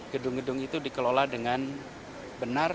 gedung gedung itu dikelola dengan benar